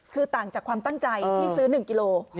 คือต่างจากความตั้งใจที่ซื้อ๑กิโล